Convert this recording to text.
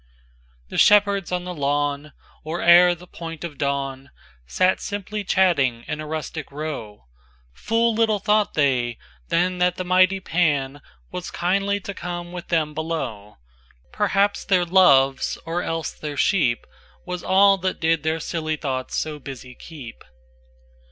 VIIIThe Shepherds on the lawn, Or ere the point of dawn, Sat simply chatting in a rustic row; Full little thought they thanThat the mighty PanWas kindly come to live with them below:Perhaps their loves, or else their sheep, Was all that did their silly thoughts so busy keep.